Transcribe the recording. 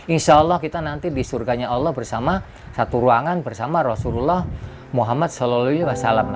insya allah kita nanti di surganya allah bersama satu ruangan bersama rasulullah muhammad saw